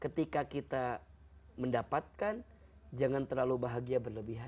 ketika kita mendapatkan jangan terlalu bahagia berlebihan